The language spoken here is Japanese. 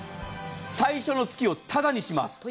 最初の月をただにします。